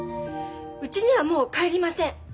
うちにはもう帰りません。